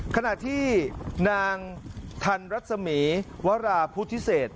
ขณะที่นางทันรัศมีวราพุทธิเศษ